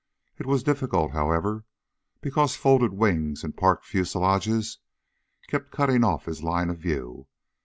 It was difficult, however, because folded wings and parked fuselages kept cutting off his line of view.